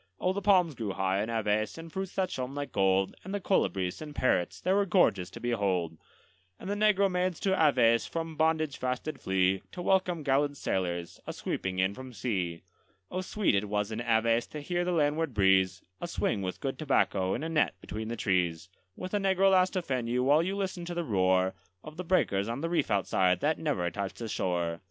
Oh, the palms grew high in Aves, and fruits that shone like gold, And the colibris and parrots they were gorgeous to behold; And the negro maids to Aves from bondage fast did flee, To welcome gallant sailors, a sweeping in from sea. Oh, sweet it was in Aves to hear the landward breeze, A swing with good tobacco in a net between the trees, With a negro lass to fan you, while you listened to the roar Of the breakers on the reef outside, that never touched the shore.